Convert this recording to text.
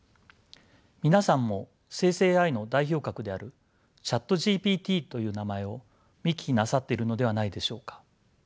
皆さんも生成ＡＩの代表格であるＣｈａｔＧＰＴという名前を見聞きなさっているのではないでしょうか。